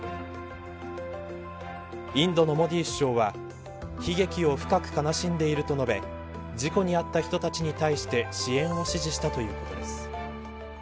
インドのモディ首相は悲劇を深く悲しんでいると述べ事故に遭った人たちに対して支援を指示したということです。